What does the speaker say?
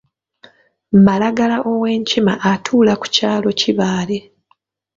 Malagala ow’enkima atuula ku kyalo Kibaale.